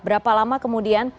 berapa lama kemudian